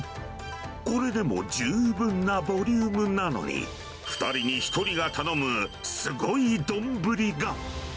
これでも十分なボリュームなのに、２人に１人が頼むすごい丼が。